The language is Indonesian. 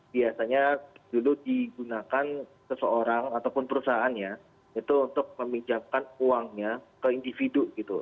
biasanya dulu digunakan seseorang ataupun perusahaannya itu untuk meminjamkan uangnya ke individu gitu